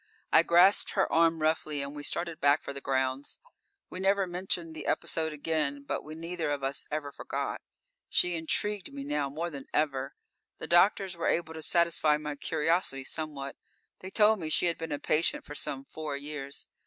I grasped her arm roughly and we started back for the grounds. We never mentioned the episode again, but we neither of us ever forgot. She intrigued me now, more than ever. The doctors were able to satisfy my curiosity somewhat. They told me she had been a patient for some four years.